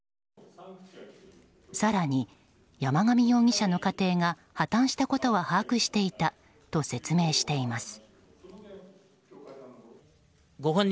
更に山上容疑者の家庭が破たんしたことは把握していたと説明しています。